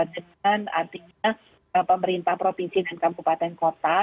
dengan artinya pemerintah provinsi dan kabupaten kota